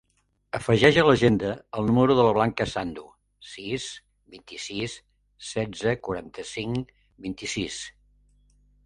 Afegeix a l'agenda el número de la Blanca Sandu: sis, vint-i-sis, setze, quaranta-cinc, vint-i-sis.